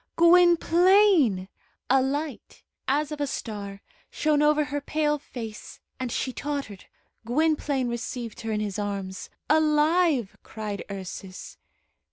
"Gwynplaine!" A light, as of a star, shone over her pale face, and she tottered. Gwynplaine received her in his arms. "Alive!" cried Ursus.